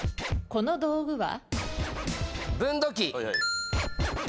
この道具は？